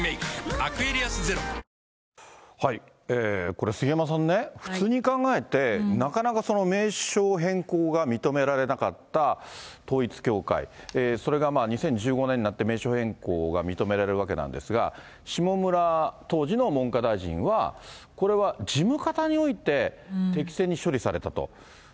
これ、杉山さんね、普通に考えて、なかなか名称変更が認められなかった統一教会、それが２０１５年になって名称変更が認められるわけなんですが、下村当時の文科大臣は、これは事務方において適正に処理されたと。